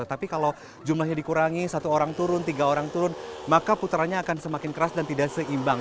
tapi kalau jumlahnya dikurangi satu orang turun tiga orang turun maka putarannya akan semakin keras dan tidak seimbang